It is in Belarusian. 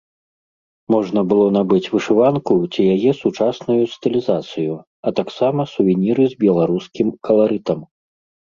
Можна было набыць вышыванку ці яе сучасную стылізацыю, а таксама сувеніры з беларускім каларытам.